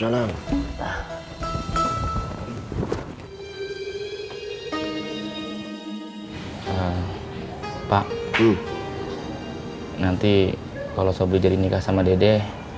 nanti kalau sobri jadi nikah sama dede